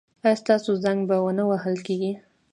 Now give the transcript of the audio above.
ایا ستاسو زنګ به و نه وهل کیږي؟